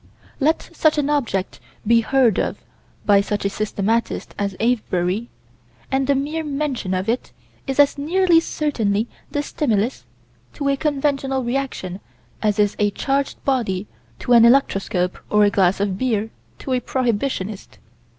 Let such an object be heard of by such a systematist as Avebury, and the mere mention of it is as nearly certainly the stimulus to a conventional reaction as is a charged body to an electroscope or a glass of beer to a prohibitionist.